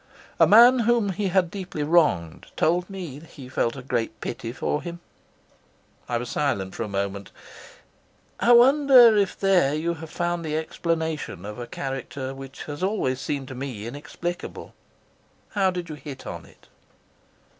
A man whom he had deeply wronged told me that he felt a great pity for him." I was silent for a moment. "I wonder if there you have found the explanation of a character which has always seemed to me inexplicable. How did you hit on it?"